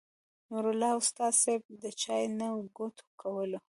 نور الله استاذ صېب د چاے نه ګوټ کولو